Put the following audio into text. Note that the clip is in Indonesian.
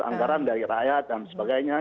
anggaran dari rakyat dan sebagainya